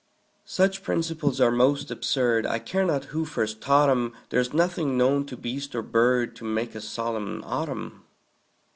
Such principles are most absurd, I care not who first taught 'em; There's nothing known to beast or bird To make a solemn autumn.